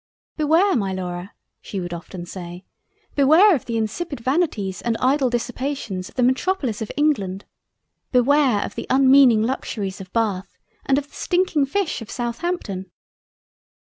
"Beware my Laura (she would often say) Beware of the insipid Vanities and idle Dissipations of the Metropolis of England; Beware of the unmeaning Luxuries of Bath and of the stinking fish of Southampton."